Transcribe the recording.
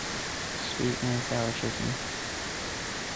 Sweet-and-sour chicken.